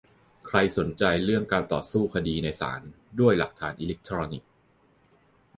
ใครสนใจเรื่องการต่อสู้คดีในศาลด้วยหลักฐานอิเล็กทรอนิกส์